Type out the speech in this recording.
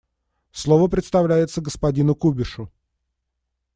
Слово предоставляется господину Кубишу.